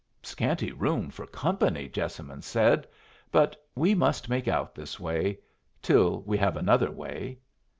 "Scanty room for company!" Jessamine said. "But we must make out this way till we have another way."